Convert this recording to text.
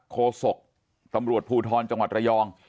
โศกตำรวจภูทรจังหวัดระยอง